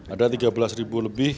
ada tiga belas ribu lebih